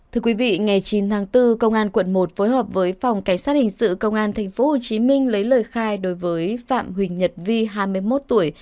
thưa quý vị ngày chín tháng bốn công an quận một phối hợp với phòng cảnh sát hình sự công an tp hcm lấy lời khai đối với phạm huỳnh nhật vi hai mươi một tuổi